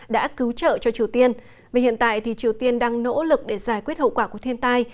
đã cứu trợ cho triều tiên vì hiện tại triều tiên đang nỗ lực để giải quyết hậu quả của thiên tai